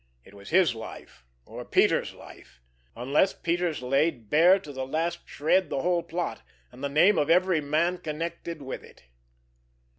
It was his life, or Peters' life—unless Peters laid bare to the last shred the whole plot, and the name of every man connected with it.